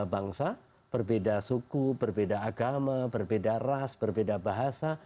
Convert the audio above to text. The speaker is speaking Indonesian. bangsa berbeda suku berbeda agama berbeda ras berbeda bahasa